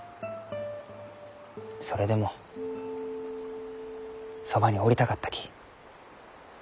それでもそばにおりたかったき。